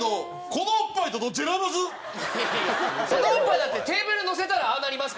そのおっぱいだってテーブルのせたらああなりますから。